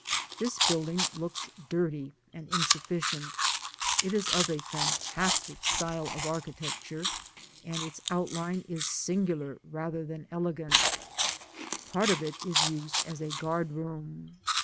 This building looks dirty and insufficient ; it is of a fantastic style of architecture, and its outline is singular rather than elegant : part of it is used as a guard*room.